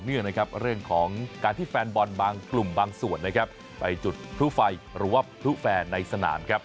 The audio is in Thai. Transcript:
เนื่องนะครับเรื่องของการที่แฟนบอลบางกลุ่มบางส่วนนะครับไปจุดทหภัยหรือว่ารูแฟนในสถาน